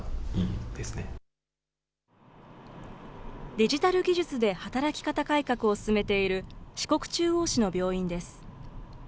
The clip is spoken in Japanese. デジタル技術で働き方改革を進めている四国中央市の病院です。